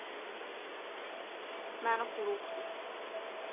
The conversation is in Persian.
موجودیهای نقد